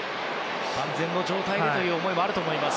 万全の状態でという思いもあると思います。